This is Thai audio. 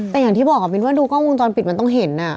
แต่อย่างที่บอกมินว่าดูกล้องวงจรปิดมันต้องเห็น